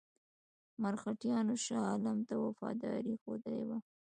مرهټیانو شاه عالم ته وفاداري ښودلې وه.